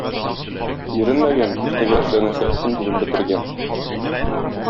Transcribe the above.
Иренмәгән иртәгә эшләнәсе эшен бүген бетергән.